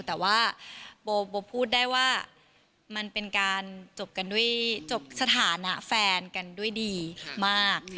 แต่ว่าโบพูดได้ว่ามันเป็นการจบกันด้วยจบสถานะแฟนกันด้วยดีมาก